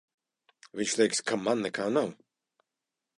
Viņš teiks, ka man nekā nav.